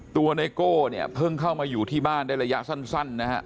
ไนโก้เนี่ยเพิ่งเข้ามาอยู่ที่บ้านได้ระยะสั้นนะฮะ